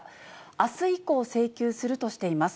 あす以降、請求するとしています。